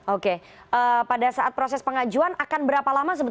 oke pada saat proses pengajuan akan berapa lama